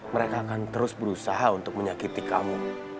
mereka akan terus berusaha untuk menyakiti kamu